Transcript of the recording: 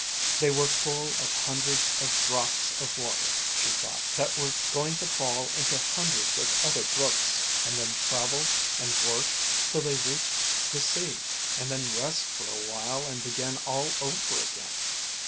They were full of hundreds of drops of water, she thought, that were going to fall into hundreds of other brooks, and then travel and work till they reached the sea, and then rest for a while and begin all over again.